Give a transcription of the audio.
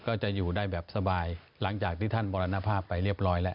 ก็จะอยู่ได้แบบสบายหลังจากที่ท่านมรณภาพไปเรียบร้อยแล้ว